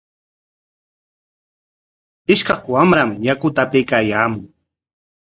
Ishkaq wamra yakuta apaykaayaamun.